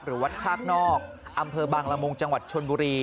วัดชากนอกอำเภอบางละมุงจังหวัดชนบุรี